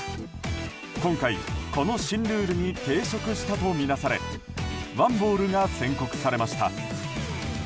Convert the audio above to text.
今回、この新ルールに抵触したと見なされワンボールが宣告されました。